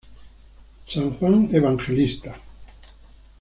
San Juan Evangelista.